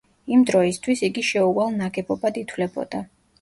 იმ დროისთვის, იგი შეუვალ ნაგებობად ითვლებოდა.